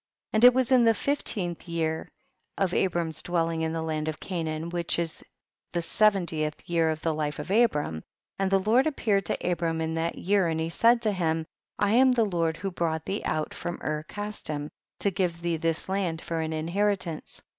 17. And it was in the fifteenth year of Abram's dwelling in the land of Canaan, ivhich is the seventieth year of the life of Abram, and the Lord appeared to Abram in that year and he said to him, I am the Lord who brought thee out from Ur Casdim to give thee this land for an inheritance.